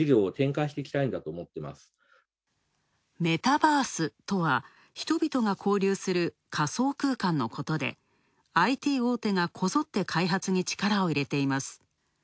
メタバースとは、人々が交流する仮想空間のことでＩＴ大手がこぞって開発に力を入れています。